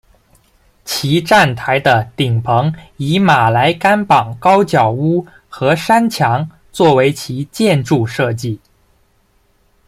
其站台的顶棚以马来甘榜高脚屋和山墙作为其建筑设计。